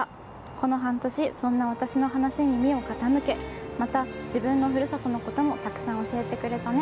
この半年そんな私の話に耳を傾けまた自分のふるさとのこともたくさん教えてくれたね。